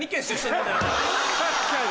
確かに！